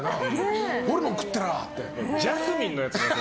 ホルモン食ってるって。